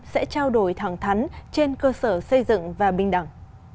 sẽ trao đổi thẳng thắn trên cơ sở xây dựng và bình đẳng